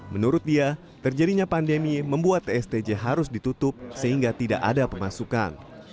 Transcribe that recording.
menurut dia terjadinya pandemi membuat tstj harus ditutup sehingga tidak ada pemasukan